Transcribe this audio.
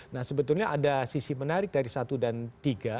nah sebetulnya ada sisi menarik dari satu dan tiga